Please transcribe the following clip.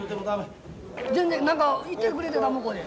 全然何か言ってくれてた向こうに。